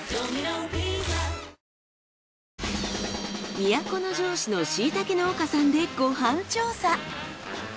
都城市のしいたけ農家さんでご飯調査。